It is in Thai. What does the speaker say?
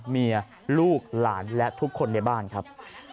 ลูกหลานและทุกคนในบ้านครับ